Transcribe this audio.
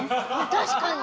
確かに！